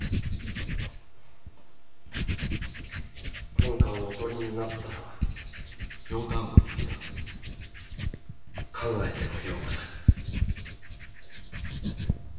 天下をお取りになったら考えてもようござる。